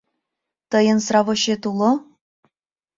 Тыйын сравочет уло?